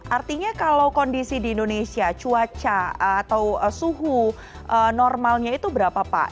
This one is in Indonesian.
artinya kalau kondisi di indonesia cuaca atau suhu normalnya itu berapa pak